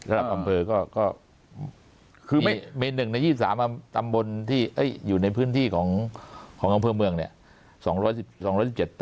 ระดับอำเภอก็มีเมนต์หนึ่งใน๒๓ตำบลที่อยู่ในพื้นที่ของอำเภอเมืองเนี่ย